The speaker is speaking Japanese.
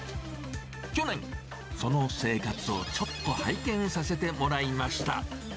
去年、その生活をちょっと拝見させてもらいました。